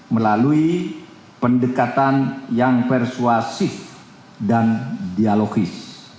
melalui pendekatan yang persuasif dan dialogis